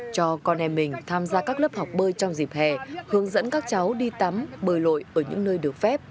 cho con em mình tham gia các lớp học bơi trong dịp hè hướng dẫn các cháu đi tắm bơi lội ở những nơi được phép